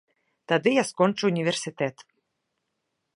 Тады я скончу універсітэт.